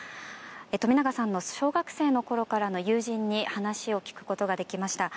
冨永さんの小学生のころからの友人に話を聞くことができました。